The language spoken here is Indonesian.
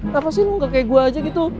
kenapa sih lo gak kayak gue aja gitu